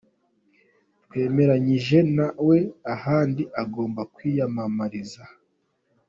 Twemeranyijwe na we ahandi agomba kwiyamamariza.